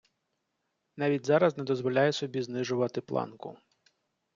Навіть зараз не дозволяє собі знижувати планку.